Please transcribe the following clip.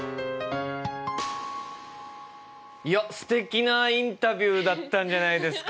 いやすてきなインタビューだったんじゃないですか？